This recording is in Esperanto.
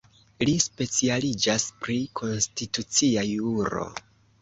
Li specialiĝas pri konstitucia juro.